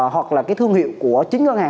hoặc là cái thương hiệu của chính ngân hàng